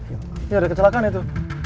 ya ada kecelakaan ya itu